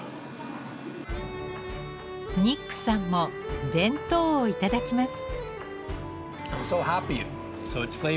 ニックさんも弁当をいただきます。